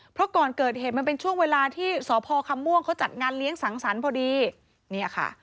เพราะก่อนเกิดเหตุมันเป็นช่วงเวลาที่สคมเขาจัดงานเลี้ยงสั่งสรรพ์พอดี